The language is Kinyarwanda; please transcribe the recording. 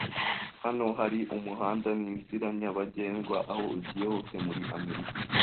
Hano hari umuhanda ninzira nyabagendwa aho ugiye hose muri Amerika